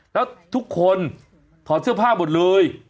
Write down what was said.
แล้วทุกคนถอดเสื้อผ้าหมดเลย